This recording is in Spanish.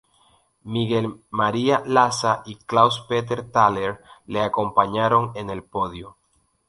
Miguel María Lasa y Klaus-Peter Thaler le acompañaron en el podio.